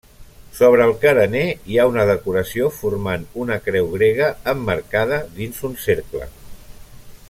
Sobre el carener hi ha una decoració formant una creu grega emmarcada dins un cercle.